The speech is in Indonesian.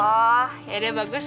oh ya udah bagus